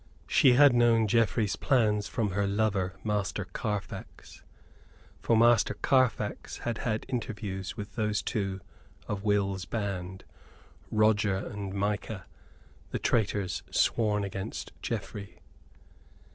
She had known Geoffrey's plans from her lover, Master Carfax; for Master Carfax had had interviews with those two of Will's band, Roger and Micah, the traitors sworn against Geoffrey.